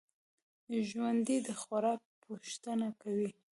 ژوندي د خوراک پوښتنه کوي